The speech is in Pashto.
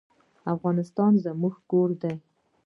افغانستان زما کور دی